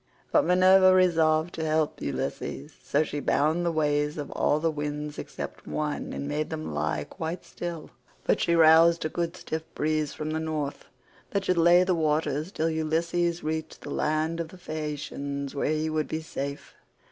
But Minerva resolved to help Ulysses, so she bound the ways of all the winds except one, and made them lie quite still; but she roused a good stiff breeze from the North that should lay the waters till Ulysses reached the land of the Phaeacians where he would be safe.